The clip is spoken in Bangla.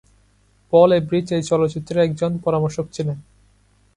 পল এভ্রিচ এই চলচ্চিত্রের একজন পরামর্শক ছিলেন।